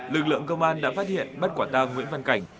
lực lượng công an đã phát hiện bắt quả tang nguyễn văn cảnh